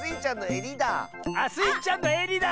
あっスイちゃんのえりだ。